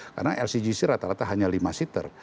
karena lcgc rata rata hanya lima seater